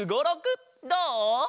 どう？